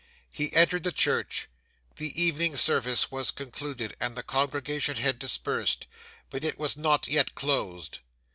'He entered the church. The evening service was concluded and the congregation had dispersed, but it was not yet closed.